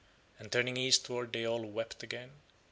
And turning earthward they all wept again.